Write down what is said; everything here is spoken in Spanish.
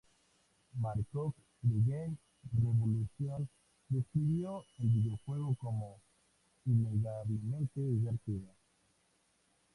Mark Cooke de Game Revolution describió el videojuego como "innegablemente divertido".